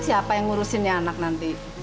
siapa yang ngurusinnya anak nanti